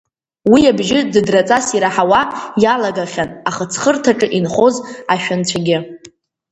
Уи абжьы дыдраҵас ираҳауа иалагахьан ахыҵхырҭаҿы инхоз ашәанцәагьы.